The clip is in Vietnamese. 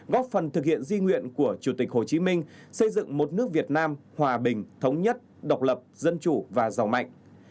góp phần thực hiện di nguyện của chủ tịch hồ chí minh xây dựng một nước việt nam hòa bình thống nhất độc lập dân chủ và giàu mạnh